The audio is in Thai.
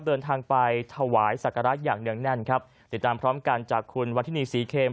เดินทางไปถวายศักระอย่างเนื่องแน่นครับติดตามพร้อมกันจากคุณวัฒนีศรีเมม